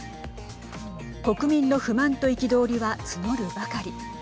国民の不満と憤りは募るばかり。